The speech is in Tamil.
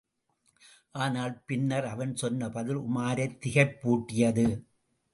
ஆனால் பின்னர் அவன் சொன்ன பதில் உமாரைத் திகைப்பூட்டியது.